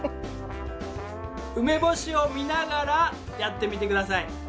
梅干しを見ながらやってみて下さい。